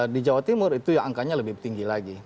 di jawa timur itu ya angkanya lebih tinggi lagi